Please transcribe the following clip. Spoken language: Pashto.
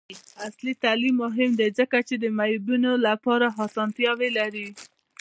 عصري تعلیم مهم دی ځکه چې د معیوبینو لپاره اسانتیاوې لري.